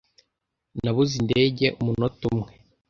Nabuze indege umunota umwe.